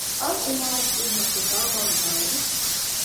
އަލްއިމާމު އިބްނުޤުދާމާ ވިދާޅުވި